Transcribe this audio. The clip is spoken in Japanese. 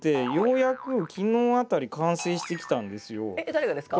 誰がですか？